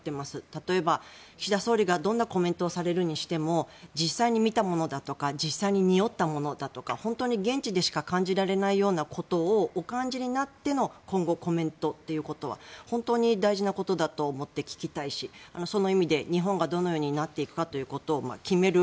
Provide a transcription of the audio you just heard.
例えば、岸田総理がどういうコメントをされるにしても実際に見たものだとか実際ににおったものだとか本当に、現地でしか感じられないようなことをお感じになっての今後、コメントということは本当に大事なことだと思って聞きたいしその意味で日本がどのようになっていくかということを決める